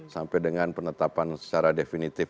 sampai dengan penetapan secara definitif